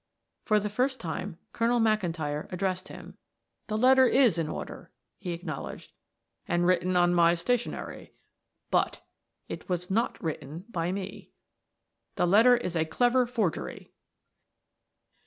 For the first time Colonel McIntyre addressed him. "The letter is in order," he acknowledged, "and written on my stationery, but it was not written by me. The letter is a clever forgery."